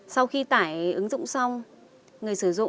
sau khi tải ứng dụng xong